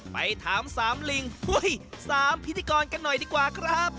ไปถาม๓ลิง๓พิธีกรกันหน่อยดีกว่าครับ